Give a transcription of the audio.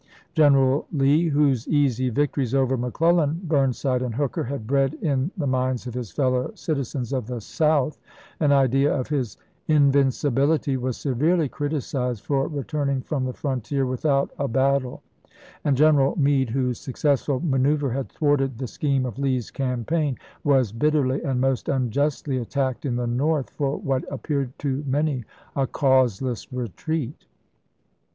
General Lee, whose easy victories over McCleUau, Burnside, and Hooker had bred in the minds of his fellow citizens of the South an idea of his invin cibility, was severely criticized for returning from the frontier without a battle, and General Meade, whose successful manoeuvre had thwarted the scheme of Lee's campaign, was bitterly and most unjustly attacked in the North for what appeared to many a causeless retreat.